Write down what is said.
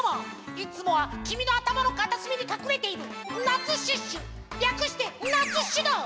いつもはきみのあたまのかたすみにかくれているナツシュッシュりゃくしてナツッシュだ！